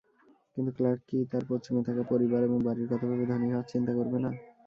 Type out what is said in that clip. কিন্তু ক্লার্ক কি তার পশ্চিমে থাকা পরিবার এবং বাড়ির কথা ভেবে ধনী হওয়ার চিন্তা করবে না?